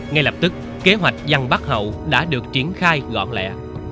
ngay lập tức kế hoạch giăng bắt hậu đã được triển khai gọn lẹ